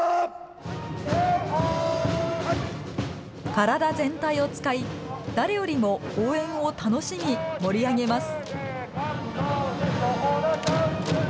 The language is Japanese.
体全体を使い、誰よりも応援を楽しみ、盛り上げます。